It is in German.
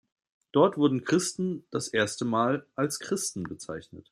Dort wurden Christen das erste Mal als „Christen“ bezeichnet.